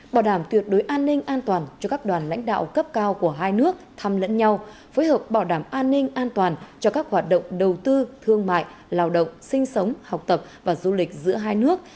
bảo đảm tuyệt đối an ninh an toàn cho các đoàn lãnh đạo cấp cao của hai nước thăm lẫn nhau phối hợp bảo đảm an ninh an toàn cho các hoạt động đầu tư thương mại lào động sinh sống học tập và du lịch giữa hai nước